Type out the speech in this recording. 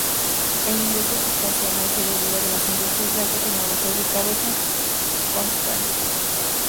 El ingreso sustancial se deriva de las industrias de alta tecnología ubicados en Kongsberg.